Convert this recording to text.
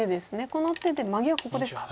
この手でマゲはここですか。